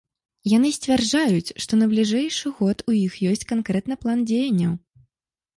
Яны сцвярджаюць, што на бліжэйшы год у іх ёсць канкрэтны план дзеянняў.